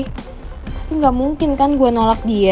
tapi gak mungkin kan gue nolak dia